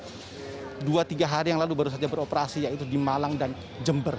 ini rumah sakit lapangan baru yang sekitar dua tiga hari yang lalu baru saja beroperasi yaitu di malang dan jember